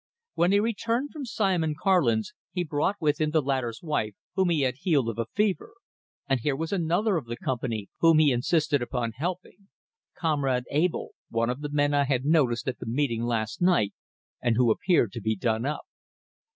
When he returned from Simon Karlin's, he brought with him the latter's wife, whom he had healed of a fever; and here was another of the company whom he insisted upon helping "Comrade" Abell, one of the men I had noticed at the meeting last night, and who appeared to be done up.